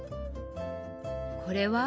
これは？